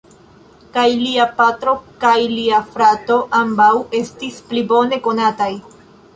Kaj lia patro kaj lia frato ambaŭ estis pli bone konataj.